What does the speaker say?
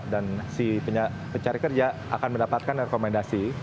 dan si pencari kerja akan mendapatkan rekomendasi